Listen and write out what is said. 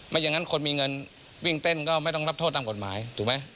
อย่างนั้นคนมีเงินวิ่งเต้นก็ไม่ต้องรับโทษตามกฎหมายถูกไหม